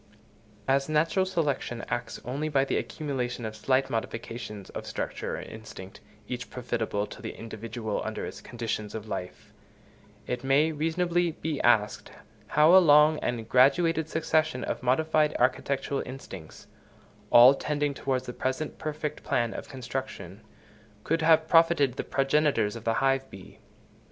As natural selection acts only by the accumulation of slight modifications of structure or instinct, each profitable to the individual under its conditions of life, it may reasonably be asked, how a long and graduated succession of modified architectural instincts, all tending towards the present perfect plan of construction, could have profited the progenitors of the hive bee?